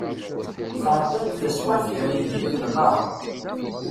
Sɛeddan-d taswiɛt gar yigenni d lqaɛa.